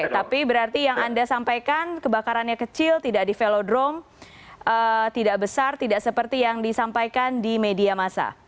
tapi berarti yang anda sampaikan kebakarannya kecil tidak di velodrome tidak besar tidak seperti yang disampaikan di media masa